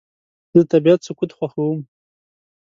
زه د طبیعت سکوت خوښوم.